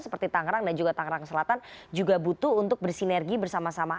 seperti tangerang dan juga tangerang selatan juga butuh untuk bersinergi bersama sama